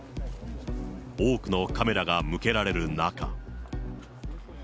多くのカメラが向けられる中。